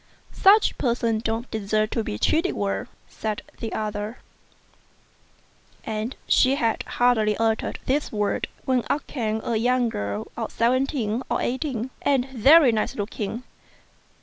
" Such people don't deserve to be treated well," said the .other; and she had hardly uttered these words when up came a young girl of seventeen or eighteen, and very nice looking.